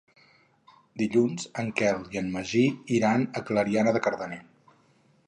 Dilluns en Quel i en Magí iran a Clariana de Cardener.